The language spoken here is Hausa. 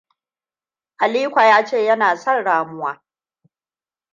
Aliko ya ce yana son ramuwa.